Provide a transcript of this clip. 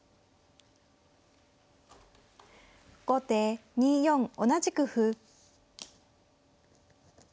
後手２四同じく歩。